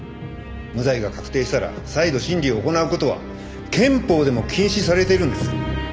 無罪が確定したら再度審理を行う事は憲法でも禁止されているんです。